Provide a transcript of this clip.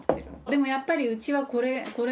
でもやっぱりうちはこれこれが。